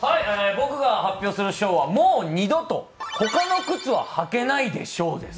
僕が発表する賞はもう二度と他の靴は履けないで賞です。